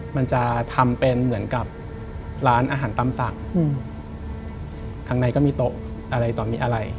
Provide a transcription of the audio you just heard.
มันจะทำเป็นเหมือนกับร้านอาหารตำสั่งข้างในก็มีโต๊ะอะไรต่อมีอะไร